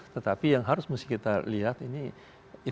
tetapi yang harus mesti kita lihat ini